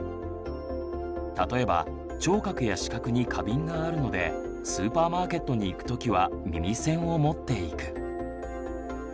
例えば聴覚や視覚に過敏があるのでスーパーマーケットに行く時は耳栓を持っていく。